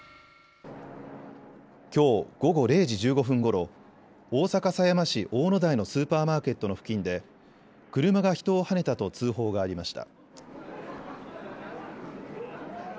きょう午後０時１５分ごろ、大阪狭山市大野台のスーパーマーケットの付近で車が人をはねたと通報がありました。